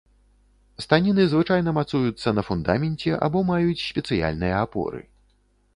Станіны звычайна мацуюцца на фундаменце або маюць спецыяльныя апоры.